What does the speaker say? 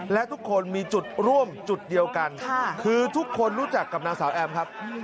และทุกคนมีจุดร่วมจุดเดียวกันคือทุกคนรู้จักกับนางสาวแอมครับ